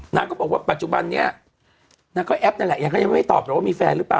นางก็บอกว่าปัจจุบันนี้นางก็แอปนั่นแหละยังก็ยังไม่ตอบหรอกว่ามีแฟนหรือเปล่า